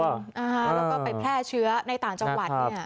แล้วก็ไปแพร่เชื้อในต่างจังหวัด